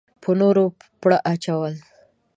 په نورو پړه اچول.